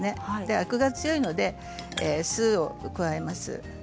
アクが強いのでお酢を加えます。